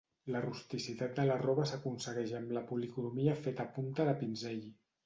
La rusticitat de la roba s'aconsegueix amb la policromia feta a punta de pinzell.